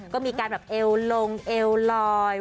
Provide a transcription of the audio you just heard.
ก็มีการแบบเอวลงเอวลอย